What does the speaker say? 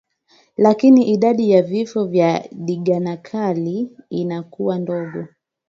Lakini idadi ya vifo vya ndigana kali inakuwa ndogo